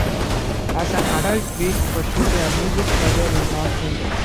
As an adult, Reed pursued a music career in Los Angeles.